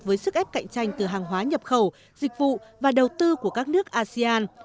với sức ép cạnh tranh từ hàng hóa nhập khẩu dịch vụ và đầu tư của các nước asean